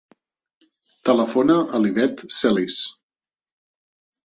Telefona a l'Ivette Celis.